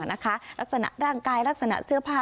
ลักษณะร่างกายลักษณะเสื้อผ้า